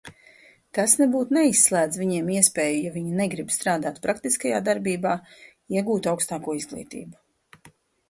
Tas nebūt neizslēdz viņiem iespēju, ja viņi negrib strādāt praktiskajā darbībā, iegūt augstāko izglītību.